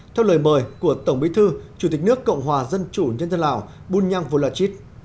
theo lời mời của tổng bí thư chủ tịch nước cộng hòa dân chủ nhân dân lào bun nhan phu lạchit